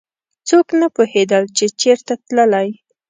څوک نه پوهېدل چې چېرته تللی.